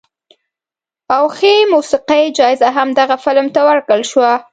او ښې موسیقۍ جایزه هم دغه فلم ته ورکړل شوه.